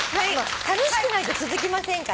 楽しくないと続きませんからね。